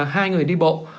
hai người đi bộ